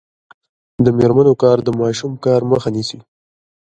د میرمنو کار د ماشوم کار مخه نیسي.